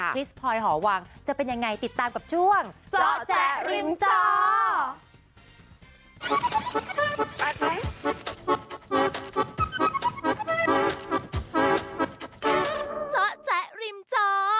ริสพลอยหอวังจะเป็นยังไงติดตามกับช่วงเจาะแจ๊ริมจอ